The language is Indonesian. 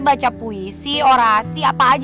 baca puisi orasi apa aja